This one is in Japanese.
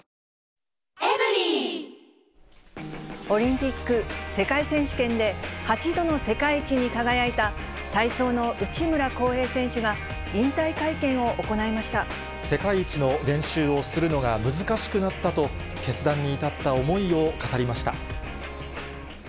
オリンピック、世界選手権で８度の世界一に輝いた体操の内村航平選手が、引退会世界一の練習をするのが難しくなったと、決断に至った思いを語りました。